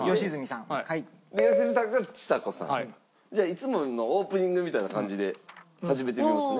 いつものオープニングみたいな感じで始めてみますね。